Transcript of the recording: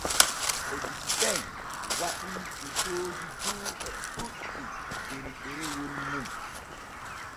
Ogusitin waɗii fotooji juuɗe ɗuuɗɗi der ɗerewol mum.